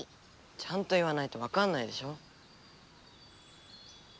ちゃんと言わないとわかんないでしょ。